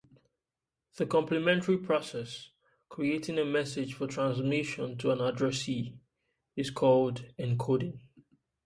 The complementary process creating a message for transmission to an addressee is called encoding.